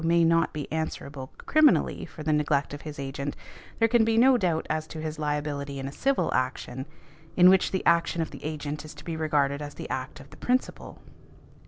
may not be answerable criminally for the neglect |181| of his agent, there can be no doubt as to his liability in a civil action, in which the action of the agent is to be regarded as the act of the principal.